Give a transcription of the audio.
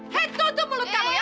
hey tutup mulut kamu ya